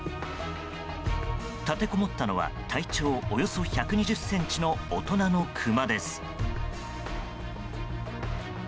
立てこもったのは体長およそ１２０ｃｍの大人のクマです。